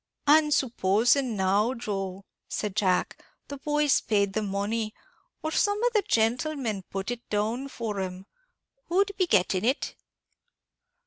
"And supposing now, Joe," said Jack, "the boys paid the money, or some of the gentlemen put it down for 'em; who'd be getting it?"